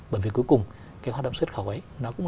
bởi vì cuối cùng cái hoạt động xuất khẩu ấy